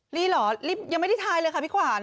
หรี่เหรอยังไม่ได้ไทยเลยค่ะผิกขวาน